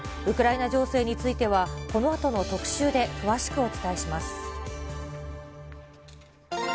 ウクライナ情勢については、このあとの特シューで詳しくお伝えします。